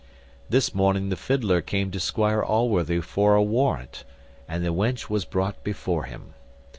This morning the fidler came to Squire Allworthy for a warrant, and the wench was brought before him.